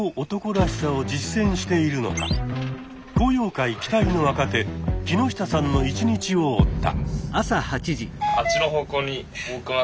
昂揚会期待の若手木下さんの一日を追った。